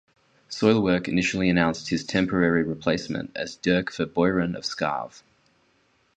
Soilwork initially announced his temporary replacement as Dirk Verbeuren of Scarve.